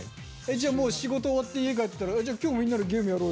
じゃあもう仕事終わって家帰ったら今日もみんなでゲームやろうよみたいな。